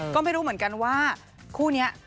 ก็ไม่รู้เหมือนกันว่าคู่นี้